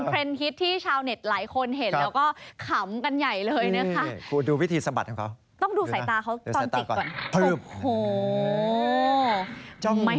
เดี๋ยวลองดูตอนติดชาติ